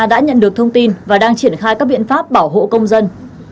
đã nhận được thông tin và đang triển khai các biện pháp bảo hộ công dân